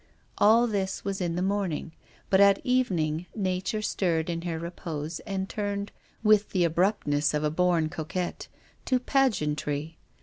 All this was in the morning. But at evening nature .stirred in her repose and turned, with the abruptness of a born coquette, to pageantry.